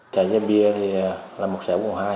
trại gia pi là một xã vùng hai